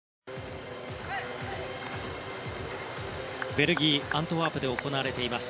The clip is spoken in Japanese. ベルギー・アントワープで行われています